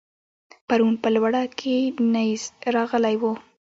پرون په لوړه کې نېز راغلی و.